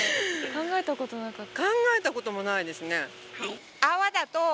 考えたことなかった。